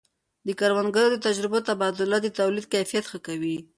د کروندګرو د تجربو تبادله د تولید کیفیت ښه کوي.